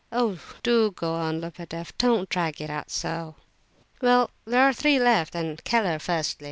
"Oh! do go on, Lebedeff! Don't drag it out so." "Well, there are three left, then—Keller firstly.